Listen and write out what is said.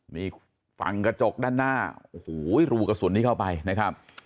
นี่ฝั่งกระจกด้านหน้าโอ้โหรูกระสุนนี้เข้าไปนะครับ